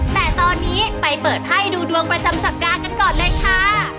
แต่ตอนนี้ไปเปิดไพ่ดูดวงประจำสัปดาห์กันก่อนเลยค่ะ